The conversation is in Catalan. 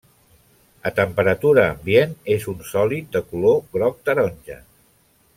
A temperatura ambient és un sòlid de color groc-taronja.